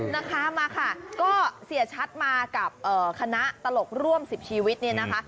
นะคะมาค่ะก็เสียชัดมากับคณะตลกร่วม๑๐ชีวิตเนี่ยนะคะ